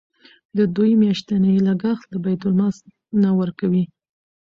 د دوی میاشتنی لګښت له بیت المال نه ورکوئ.